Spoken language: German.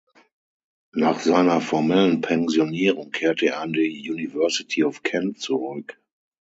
Nach seiner formellen Pensionierung kehrte er an die University of Kent zurück.